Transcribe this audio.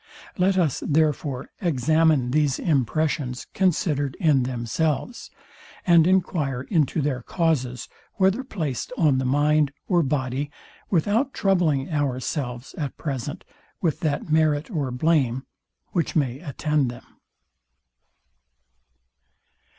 Let us, therefore, examine these impressions, considered in themselves; and enquire into their causes, whether placed on the mind or body, without troubling ourselves at present with that merit or blame, which may attend them.